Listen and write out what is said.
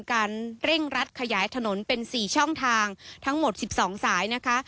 เร่งรัดขยายถนนเป็น๔ช่องทางทั้งหมด๑๒สายนะคะ